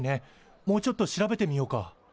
もうちょっと調べてみようか。